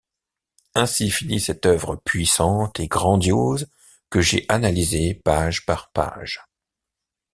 Ainsi finit cette œuvre puissante et grandiose que j’ai analysée page par page.